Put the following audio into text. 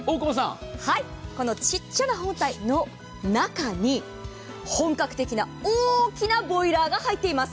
このちっちゃな本体の中に本格的な大きなボイラーが入っています。